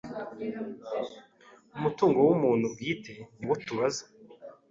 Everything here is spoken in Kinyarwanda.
umutungo w’umuntu bwite niwo tubaza